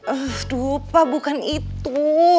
eh dupa bukan itu